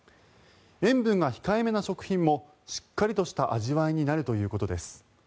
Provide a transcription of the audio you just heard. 塩分が控えめな食品もしっかりとした味わいになるということです。